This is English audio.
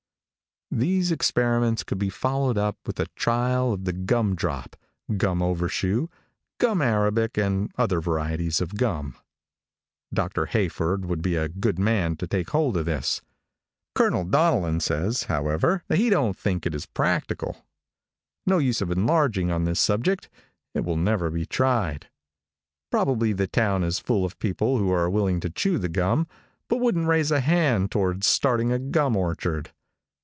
These experiments could be followed up with a trial of the gum drop, gum overshoe, gum arabic and other varieties of gum. Doctor Hayford would be a good man to take hold of this. Col. Donnellan says, however, that he don't think it is practical. No use of enlarging on this subject it will never be tried. Probably the town is full of people who are willing to chew the gum, but wouldn't raise a hand toward starting a gum orchard.